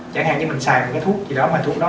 chẳng hạn mình sử dụng thuốc